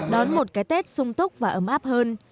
đón một cái tết sung túc và ấm áp hơn